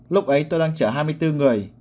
lúc ấy tôi đang chở hai mươi bốn người